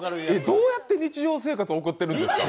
どうやって日常生活を送ってるんですか？